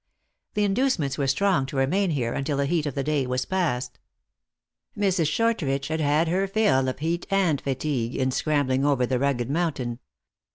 The induce ments were strong to remain here until the heat of the day was past. Mrs. Shortridge had had her fill of heat and fatigue, in scrambling over the rugged moun tain.